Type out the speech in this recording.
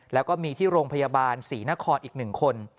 แล้วก็มีที่โรงพยาบาลศรีนครอีก๑คน